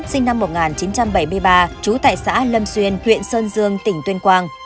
sinh năm một nghìn chín trăm bảy mươi ba trú tại xã lâm xuyên huyện sơn dương tỉnh tuyên quang